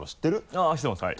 あっ知ってますはい。